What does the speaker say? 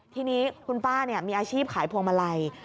ทีนี้คุณป้ามีอาชีพขายพวงมาลัย